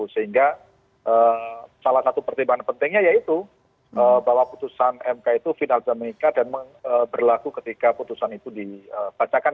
sehingga salah satu pertimbangan pentingnya yaitu bahwa putusan mk itu final dinamika dan berlaku ketika putusan itu dibacakan